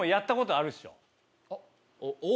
あっ！